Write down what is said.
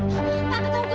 tante tunggu tante